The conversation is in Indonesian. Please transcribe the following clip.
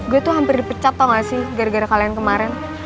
gue tuh hampir dipecat tau gak sih gara gara kalian kemarin